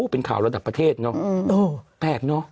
เป็นข่าวระดับประเทศเนอะแปลกเนอะ